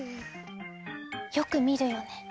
よく見るよね。